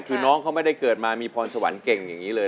คือน้องเขาไม่ได้เกิดมามีพรสวรรค์เก่งอย่างนี้เลย